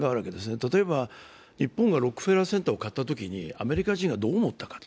例えば日本がロックフェラーセンターを買ったときにアメリカ人がどう思ったか。